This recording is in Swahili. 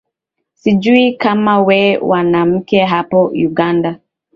sijui kama we mwanamke hapa uganda